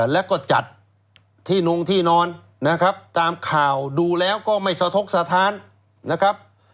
แล้วก็จัดที่นงที่นอนนะครับตามข่าวดูแล้วก็ไม่สะทกสถานนะครับ